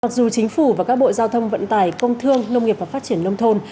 mặc dù chính phủ và các bộ giao thông vận tải công thương nông nghiệp và phát triển nông thôn